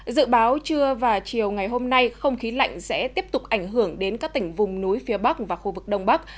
dự báo trưa và chiều ngày hôm nay không khí lạnh sẽ tiếp tục ảnh hưởng đến các tỉnh vùng núi phía bắc và khu vực đông bắc